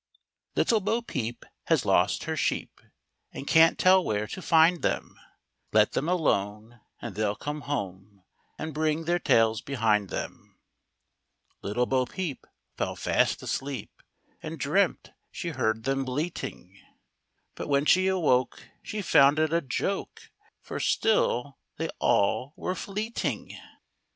J ITTLE Bo Peep has lost her sheep, And can't tell find them, Let them alone, and they'll come home, And bring their tails behind them. Little Bo Peep fell fast asleep, UTILE BO PEEP . But when she awoke, she found it a joke, For still they all were fleeting.